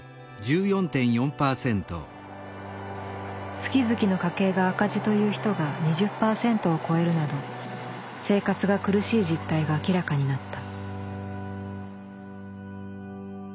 月々の家計が赤字という人が２０％を超えるなど生活が苦しい実態が明らかになった。